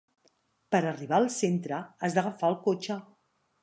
Per arribar al centre has d'agafar el cotxe.